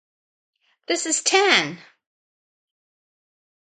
This is Ten!